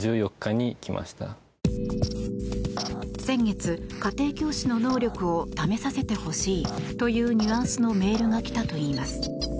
先月、家庭教師の能力を試させてほしいというニュアンスのメールが来たといいます。